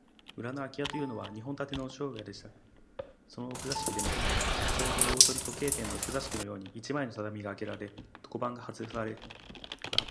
裏のあき家というのは、日本建ての商家でしたが、その奥座敷でも、ちょうど大鳥時計店の奥座敷と同じように、一枚の畳があげられ、床板がはずされ、